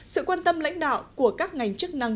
sự quan tâm lãnh đạo của các ngành chức năng